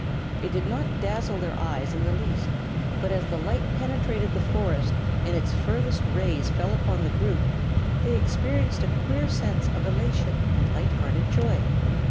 It did not dazzle their eyes in the least, but as the light penetrated the forest and its furthest rays fell upon the group, they experienced a queer sense of elation and light hearted joy.